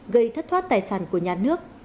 gây thất thoát tài sản của nhà nước